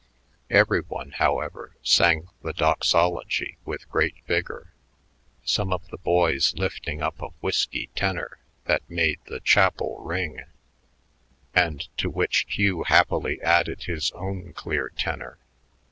Every one, however, sang the doxology with great vigor, some of the boys lifting up a "whisky" tenor that made the chapel ring, and to which Hugh happily added his own clear tenor.